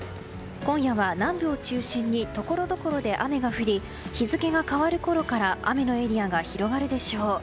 今夜は南部を中心にところどころで雨が降り日付が変わるころから雨のエリアが広がるでしょう。